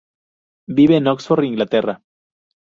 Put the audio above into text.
Vive en Oxford, Inglaterra.